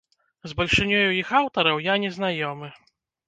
З бальшынёю іх аўтараў я не знаёмы.